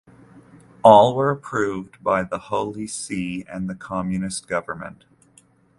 All were approved by the Holy See and the Communist government.